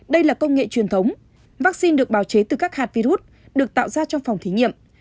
đây là công nghệ truyền thống vaccine được bào chế từ các hạt virus được tạo ra trong phòng thí nghiệm